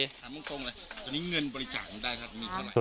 ถามตรงเลยตอนนี้เงินบริจาคยังได้ครับมีเท่าไหร่